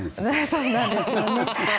そうなんですよね。